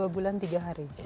dua bulan tiga hari